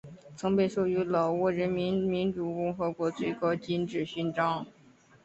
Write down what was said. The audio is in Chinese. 曾被授予老挝人民民主共和国最高金质勋章。